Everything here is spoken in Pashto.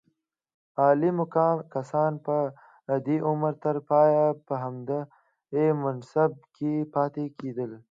عالي مقام کسان به د عمر تر پایه په همدې منصب کې پاتې کېدل.